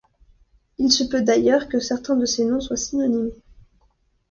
Il se peut d'ailleurs que certains de ces noms soient synonymes.